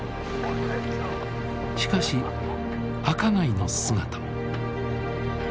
しかし赤貝の姿も。